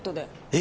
え？